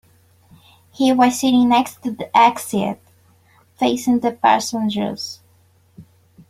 He was sitting next to the exit, facing the passengers.